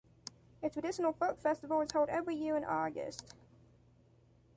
A traditional folk festival is held every year in August.